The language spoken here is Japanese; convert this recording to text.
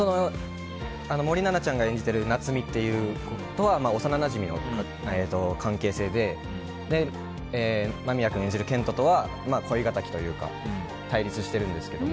森七菜ちゃんが演じている夏海とは幼なじみの関係性で間宮君演じる健人とは恋敵というか対立しているんですけど。